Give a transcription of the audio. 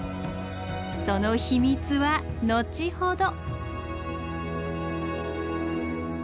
その秘密は後ほど。